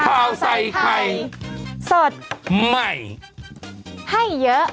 ข่าวใส่ไข่สดใหม่ให้เยอะ